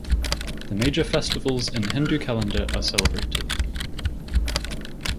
The major festivals in Hindu calendar are celebrated.